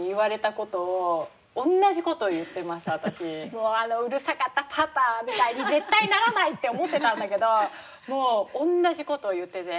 もうあのうるさかったパパみたいに絶対ならない！って思ってたんだけどもう同じ事を言ってて。